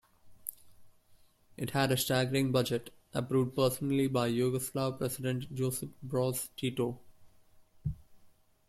It had a staggering budget approved personally by Yugoslav president Josip Broz Tito.